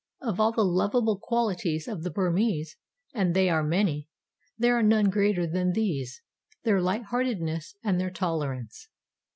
Of all the lovable qualities of the Burmese, and they are many, there are none greater than these their light heartedness and their tolerance.